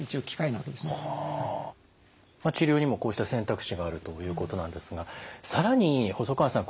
治療にもこうした選択肢があるということなんですが更に細川さん